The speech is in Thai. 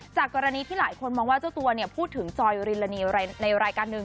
จากกรณีที่หลายคนมองว่าเจ้าตัวพูดถึงจอยรินีในรายการหนึ่ง